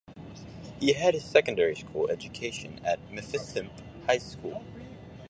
He had his secondary school education at Mfantsipim School.